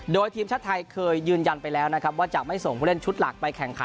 โดยทีมชาติไทยเคยยืนยันไปแล้วนะครับว่าจะไม่ส่งผู้เล่นชุดหลักไปแข่งขัน